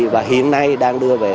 và hiện nay đang đưa về